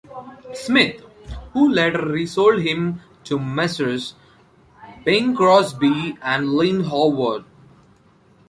Smith, who later resold him to Messrs. Bing Crosby and Lin Howard.